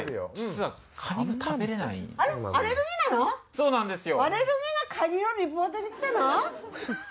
そうなんですよ。